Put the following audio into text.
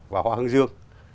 và hoa hương dương